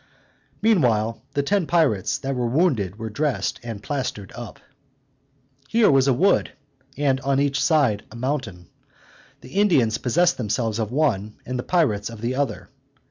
Meanwhile the ten pirates that were wounded were dressed, and plastered up. Here was a wood, and on each side a mountain. The Indians possessed themselves of one, and the pirates of the other.